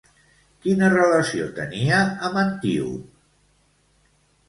Quina relació tenia amb Antíope?